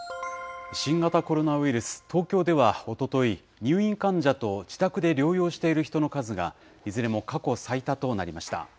新型コロナウイルス、東京ではおととい、入院患者と自宅で療養している人の数がいずれも過去最多となりました。